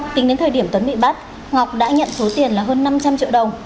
tính đến thời điểm tuấn bị bắt ngọc đã nhận số tiền là hơn năm trăm linh triệu đồng